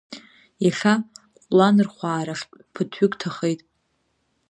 Иахьа ҟәланырхәаа рахьтә ԥыҭҩык ҭахеит…